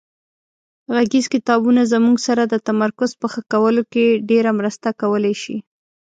غږیز کتابونه زموږ سره د تمرکز په ښه کولو کې ډېره مرسته کولای شي.